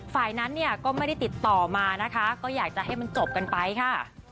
ฝ่ายนั้นเนี่ยก็ไม่ได้ติดต่อมานะคะก็อยากจะให้มันจบกันไปค่ะ